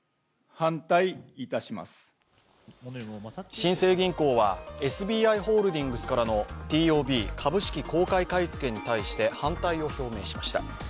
新生銀行はＳＢＩホールディングスからのＴＯＢ＝株式公開買い付けに対して反対を表明しました。